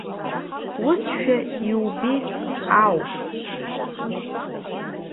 Усшәа иубеит ауп.